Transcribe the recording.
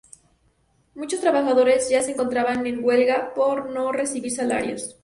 Muchos trabajadores ya se encontraban en huelga por no recibir salarios.